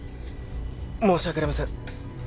申し訳ありません！